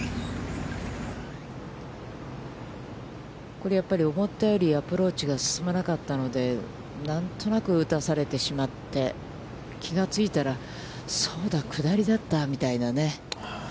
これ、やっぱり思ったよりも、アプローチが進まなかったので、何となく打たされてしまって、気がついたら、そうだ、下りだったみたいなね。